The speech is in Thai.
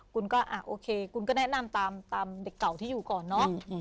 คุณก็แนะนำตามเด็กเก่าที่อยู่ก่อนเนาะ